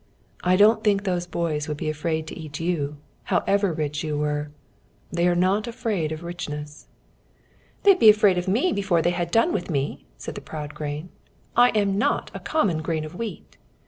"I don't think those boys would be afraid to eat you, however rich you were. They are not afraid of richness." "They'd be afraid of me before they had done with me," said the proud grain. "I am not a common grain of wheat.